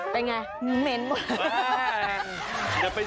เป็นไงมั้นเหม็น